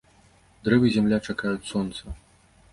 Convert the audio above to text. Дрэвы і зямля чакаюць сонца.